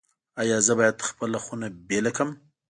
ایا زه باید خپله خونه بیله کړم؟